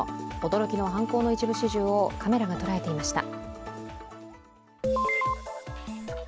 驚きの犯行の一部始終をカメラが捉えていました。